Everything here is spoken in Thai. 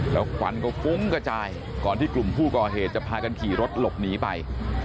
แล้วควันก็ฟุ้งกระจายก่อนที่กลุ่มผู้ก่อเหตุจะพากันขี่รถหลบหนีไป